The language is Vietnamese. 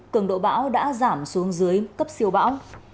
cường độ bão đã giảm xuống dưới cấp siêu bão